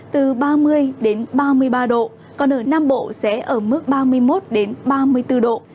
từ ba mươi ba mươi ba độ còn ở nam bộ sẽ ở mức ba mươi một ba mươi bốn độ